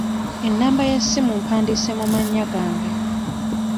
Ennamba y'essimu mpandiise mu mannya gange.